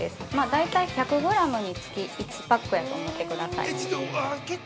大体１００グラムにつき１パックやと思ってください。